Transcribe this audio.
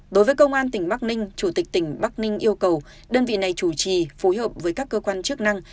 đối với công an tỉnh bắc ninh chủ tịch tỉnh bắc ninh yêu cầu đơn vị này chủ trì phối hợp với các cơ quan chức năng